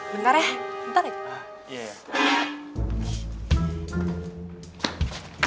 bentar ya bentar ya